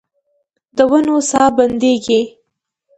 د ونو ساه بندیږې